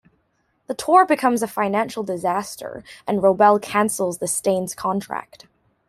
The tour becomes a financial disaster and Robell cancels the Stains' contract.